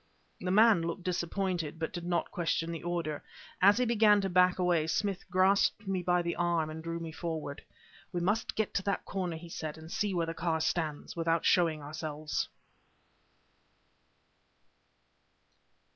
The man looked disappointed, but did not question the order. As he began to back away, Smith grasped me by the arm and drew me forward. "We must get to that corner," he said, "and see where the car stands, without showing ourselves."